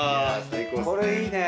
これいいね。